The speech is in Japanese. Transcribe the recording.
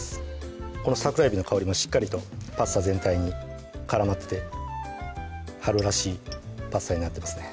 この桜えびの香りもしっかりとパスタ全体に絡まって春らしいパスタになってますね